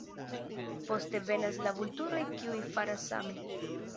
Poste venas la vulturoj kiuj faras same.